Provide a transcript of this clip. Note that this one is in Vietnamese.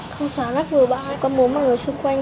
không xả nắp vừa bão hai con bố mọi người xung quanh